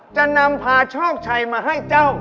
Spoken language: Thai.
จะนำพาโชคชัยมาให้เจ้า